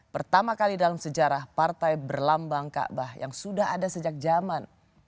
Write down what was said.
pertama kali dalam sejarah partai berlambang kaabah yang sudah ada sejak zaman